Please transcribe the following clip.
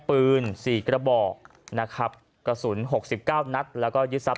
ปืน๔กระบอกนะครับกระสุนหกสิบเก้านัดแล้วก็ยึดทรัพ